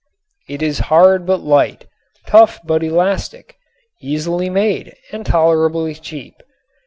It is hard but light, tough but elastic, easily made and tolerably cheap.